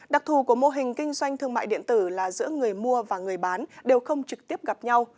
đặc thù của mô hình kinh doanh thương mại điện tử là giữa người mua và người bán đều không trực tiếp gặp nhau